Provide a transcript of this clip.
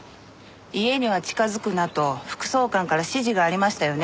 家には近づくなと副総監から指示がありましたよね？